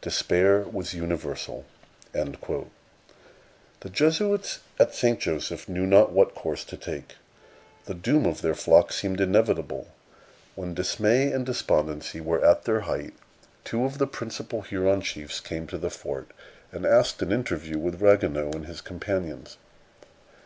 Despair was universal." Ragueneau, Relation des Hurons, 1650, 24. The Jesuits at St. Joseph knew not what course to take. The doom of their flock seemed inevitable. When dismay and despondency were at their height, two of the principal Huron chiefs came to the fort, and asked an interview with Ragueneau and his companions.